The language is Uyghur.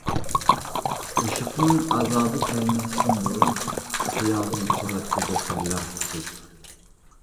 ئىشقنىڭ ئازابى كەلمەستىن بۇرۇن، خىيالىم تۇراتتى زەپەرلەر قۇچۇپ.